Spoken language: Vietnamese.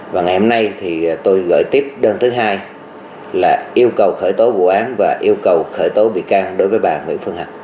và ngày hôm nay thì tôi gửi tiếp đơn thứ hai là yêu cầu khởi tố vụ án và yêu cầu khởi tố bị can đối với bà nguyễn phương hằng